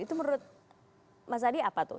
itu menurut mas adi apa tuh